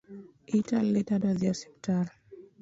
Ita lit adwa dhi osiptal